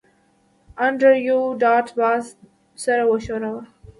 انډریو ډاټ باس سر وښوراوه